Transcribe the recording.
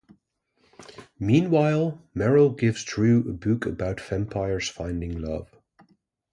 Meanwhile, Merrill gives Drew a book about vampires finding love.